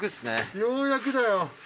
ようやくだよ。